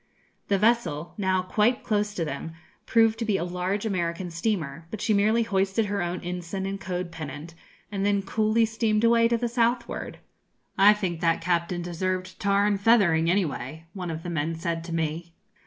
The vessel, now quite close to them, proved to be a large American steamer, but she merely hoisted her own ensign and code pennant, and then coolly steamed away to the southward. 'I think that captain deserved tarring and feathering, anyway,' one of the men said to me.